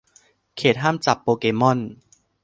เขตห้ามจับโปเกม่อน